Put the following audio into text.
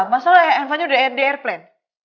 masalahnya enva udah di airplane